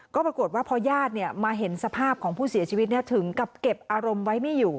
ก็ปรากฏว่าพอญาติมาเห็นสภาพของผู้เสียชีวิตถึงกับเก็บอารมณ์ไว้ไม่อยู่